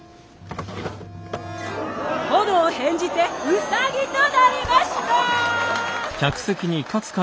炎変じてうさぎとなりました！